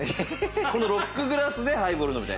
このロックグラスでハイボール飲みたい。